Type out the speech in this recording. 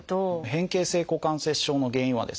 変形性股関節症の原因はですね